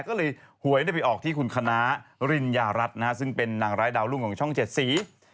ก็เลยหวยไปออกที่คุณคณะริญญารัฐนะฮะซึ่งเป็นนางร้ายดาวรุ่งของช่องเจ็ดสี